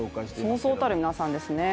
そうそうたる皆さんですね。